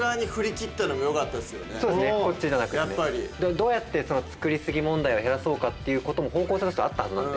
どうやってその作りすぎ問題を減らそうかっていうことも方向性としてはあったはずなので。